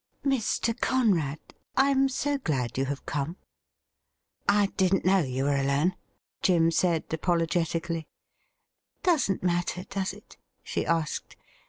78 THE RIDDLE RINGf ' Mr. Conrad ! I am so glad you have come* ' I didn't know you were alone,'' Jim said apologeficalfy, ' Doesn't matter, does it ?' she asked.